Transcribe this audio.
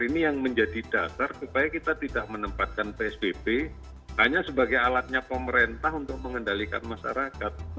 ini yang menjadi dasar supaya kita tidak menempatkan psbb hanya sebagai alatnya pemerintah untuk mengendalikan masyarakat